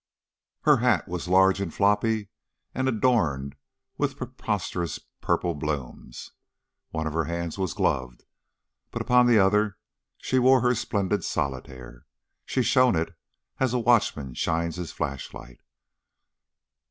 Her hat was large and floppy and adorned with preposterous purple blooms; one of her hands was gloved, but upon the other she wore her splendid solitaire. She "shone" it, as a watchman shines his flashlight.